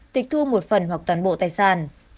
tịch thu một phần hoặc toàn bộ tài sản